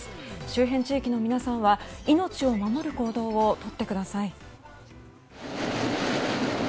周辺地域の皆さんは命を守る行動をとってください。